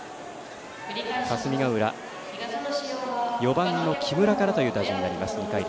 霞ヶ浦、４番の木村からという打順になります、２回。